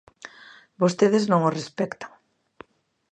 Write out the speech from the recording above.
Vostedes non o respectan.